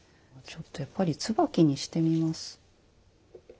ちょっとやっぱり椿にしてみます。